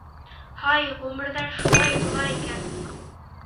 — Һай, ғүмерҙәр шулай уҙа икән!